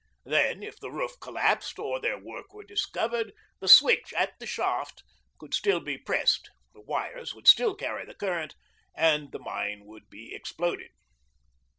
Then, if the roof collapsed or their work were discovered, the switch at the shaft could still be pressed, the wires would still carry the current, and the mine would be exploded.